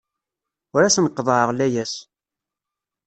Ur asen-qeḍḍɛeɣ layas.